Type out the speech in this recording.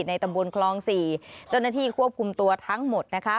ตำบลคลอง๔เจ้าหน้าที่ควบคุมตัวทั้งหมดนะคะ